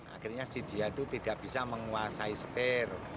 akhirnya si dia itu tidak bisa menguasai setir